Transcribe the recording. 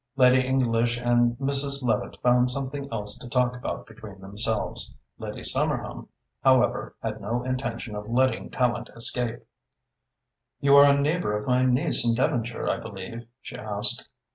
Lady English and Mrs. Levitte found something else to talk about between themselves. Lady Somerham, however, had no intention of letting Tallente escape. "You are a neighbour of my niece in Devonshire, I believe?" she asked.